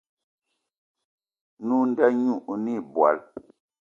Nwǐ nda ɲî oné̂ ìbwal